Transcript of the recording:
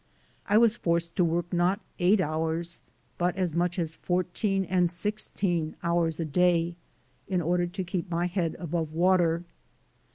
I was forced to work not eight hours, but as much as fourteen and sixteen hours a day in order to keep my head above water.